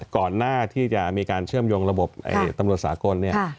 ก่อนหน้าที่จะมีการเชื่อมโยงระบบตำรวจสากลเนี่ย